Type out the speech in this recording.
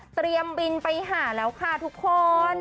เตรียมบินไปหาแล้วค่ะทุกคน